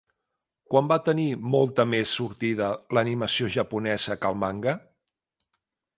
Quan va tenir molta més sortida l'animació japonesa que el manga?